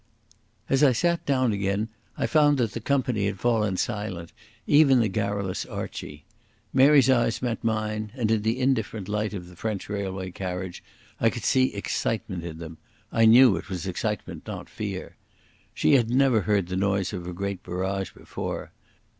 As I sat down again I found that the company had fallen silent, even the garrulous Archie. Mary's eyes met mine, and in the indifferent light of the French railway carriage I could see excitement in them—I knew it was excitement, not fear. She had never heard the noise of a great barrage before.